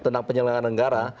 tentang penyelenggaraan negara